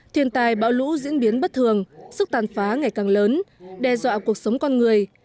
thiên tài bão lũ diễn biến bất thường sức tàn phá ngày càng lớn đe dọa cuộc sống con người